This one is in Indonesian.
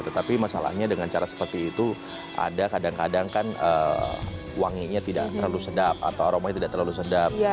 tetapi masalahnya dengan cara seperti itu ada kadang kadang kan wanginya tidak terlalu sedap atau aromanya tidak terlalu sedap